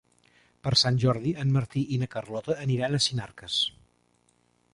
Per Sant Jordi en Martí i na Carlota aniran a Sinarques.